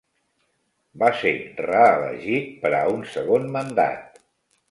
Va ser reelegit per a un segon mandat.